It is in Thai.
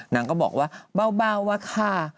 นางก็บอกว่าเบาอะค่ะ